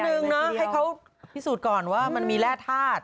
หนึ่งนะให้เขาพิสูจน์ก่อนว่ามันมีแร่ธาตุ